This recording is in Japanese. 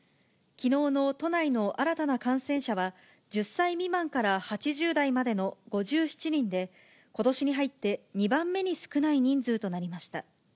きのうの都内の新たな感染者は、１０歳未満から８０代までの５７人で、ことしに入って２番目に少ない人数となりました。